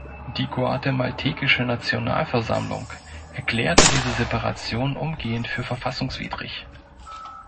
Die guatemaltekische Nationalversammlung erklärte diese Separation umgehend für verfassungswidrig.